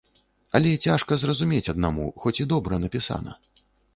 Але цяжка зразумець аднаму, хоць і добра напісана.